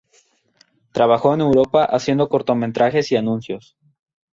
Trabajó en Europa haciendo cortometrajes y anuncios.